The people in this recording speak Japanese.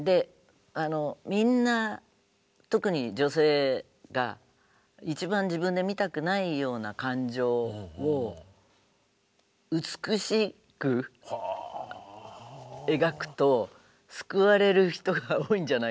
みんな特に女性が一番自分で見たくないような感情を美しく描くと救われる人が多いんじゃないかな。